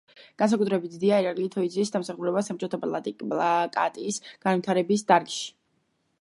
განსაკუთრებით დიდია ირაკლი თოიძის დამსახურება საბჭოთა პლაკატის განვითარების დარგში.